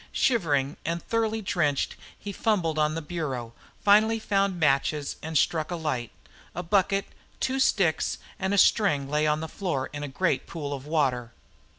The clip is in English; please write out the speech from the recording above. Shivering and thoroughly drenched, he fumbled on the bureau, finally found matches and struck a light. A bucket, two sticks, and a string lay on the floor in a great pool of water.